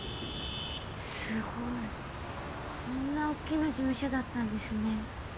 すごいこんな大きな事務所だったんですね。